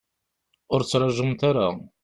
Ur ttraǧumt ara.